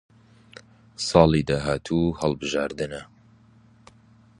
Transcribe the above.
ساڵی داهاتوو هەڵبژاردنە.